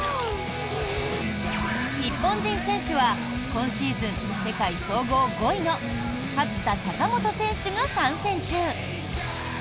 日本人選手は今シーズン世界総合５位の勝田貴元選手が参戦中。